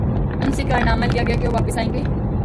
ان سے اقرار نامہ لیا گیا کہ وہ واپس آئیں گے۔